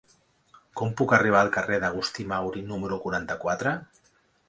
Com puc arribar al carrer d'Agustí Mauri número quaranta-quatre?